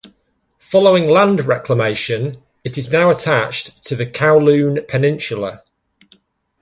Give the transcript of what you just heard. Following land reclamation, it is now attached to the Kowloon Peninsula.